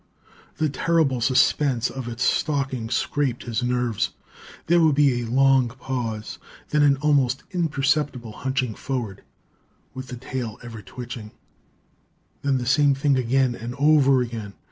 The terrible suspense of its stalking scraped his nerves. There would be a long pause, then an almost imperceptible hunching forward, with the tail ever twitching; then the same thing again, and over again.